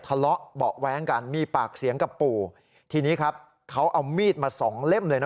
ทะเลาะเบาะแว้งกันมีปากเสียงกับปู่ทีนี้ครับเขาเอามีดมาสองเล่มเลยนะ